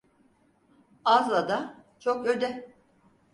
Az ada, çok öde.